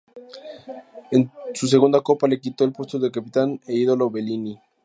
En su segunda Copa, le quitó el puesto al capitán e ídolo Bellini.